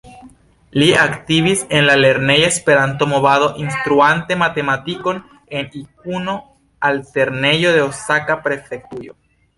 Li aktivis en la lerneja Esperanto-movado instruante matematikon en Ikuno-Altlernejo de Osaka-prefektujo.